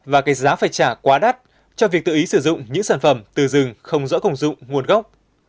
và cái giá phải trả quá đắt cho việc tự ý sử dụng những sản phẩm từ rừng không rõ công dụng nguồn gốc